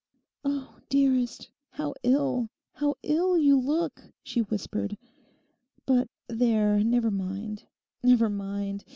'Oh, dearest, how ill, how ill you look,' she whispered. 'But there, never mind—never mind.